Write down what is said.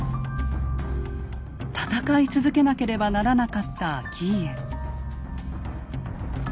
戦い続けなければならなかった顕家。